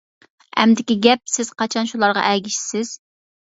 ئەمدىكى گەپ سىز قاچان شۇلارغا ئەگىشىسىز.